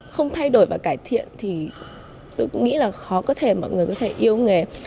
không thay đổi và cải thiện thì tôi nghĩ là khó có thể mọi người có thể yêu nghề